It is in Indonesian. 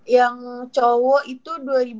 yang cowo itu dua ribu dua